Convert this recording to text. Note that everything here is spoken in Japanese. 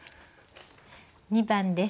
２番です。